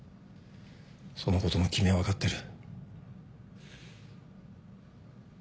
そのことも君は分かってる。